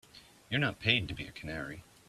You're not paid to be a canary.